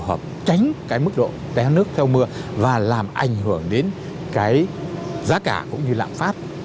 nó phù hợp tránh cái mức độ té nước theo mưa và làm ảnh hưởng đến cái giá cả cũng như lạm pháp